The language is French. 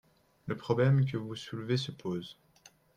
Le problème que vous soulevez se pose.